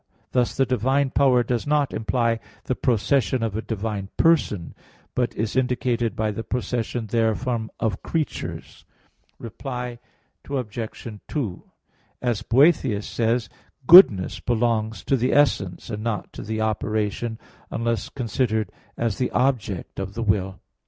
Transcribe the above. Thus the divine power does not imply the procession of a divine person; but is indicated by the procession therefrom of creatures. Reply Obj. 2: As Boethius says (De Hebdom.), goodness belongs to the essence and not to the operation, unless considered as the object of the will.